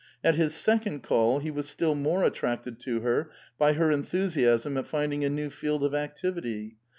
At his second call he was still more attracted to her by her enthusiam at finding a new field of activity.